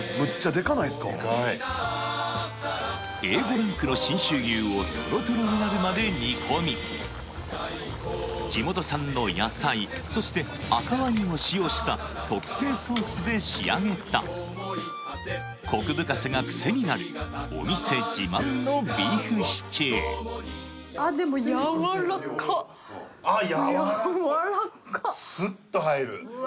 でかいＡ５ランクの信州牛をとろとろになるまで煮込み地元産の野菜そして赤ワインを使用した特製ソースで仕上げたコク深さが癖になるお店自慢のビーフシチューあっでもあっやわらかっやわらかっスッと入るうわ